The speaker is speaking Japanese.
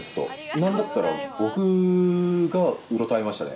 なんだったら僕がうろたえましたね。